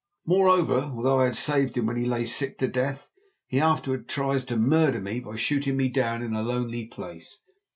Moreover, although I had saved him when he lay sick to death, he afterwards tried to murder me by shooting me down in a lonely place.